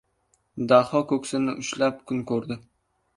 Daho ko‘ksini ushlab kun ko‘rdi.